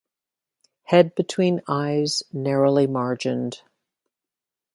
Head between eyes narrowly margined.